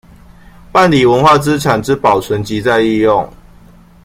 辦理文化資產之保存及再利用